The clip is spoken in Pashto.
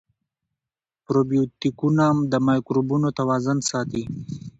پروبیوتیکونه د مایکروبونو توازن ساتي.